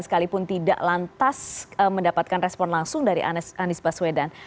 sekalipun tidak lantas mendapatkan respon langsung dari anies baswedan